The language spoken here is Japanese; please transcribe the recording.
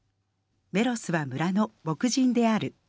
メロスは村の牧人である」。